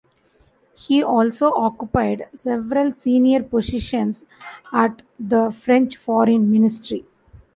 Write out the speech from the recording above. He also occupied several senior positions at the French foreign ministry.